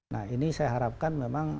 nah ini saya harapkan memang